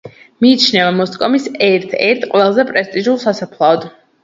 მიიჩნევა მოსკოვის ერთ-ერთ ყველაზე პრესტიჟულ სასაფლაოდ.